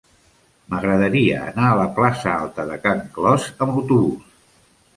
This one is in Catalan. M'agradaria anar a la plaça Alta de Can Clos amb autobús.